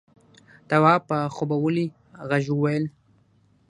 تواب په خوبولي غږ وويل: